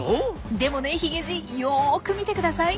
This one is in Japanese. でもねヒゲじいよく見てください。